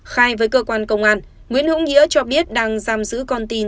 khai với cơ quan công an nguyễn hữu nghĩa cho biết đang giam giữ con tin